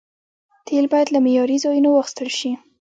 تیل باید له معياري ځایونو واخیستل شي.